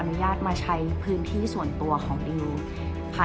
ที่สิทธิพูดได้ช่วยดิวพูดอีกไก้